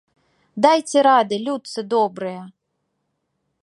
Дайце рады, людцы добрыя!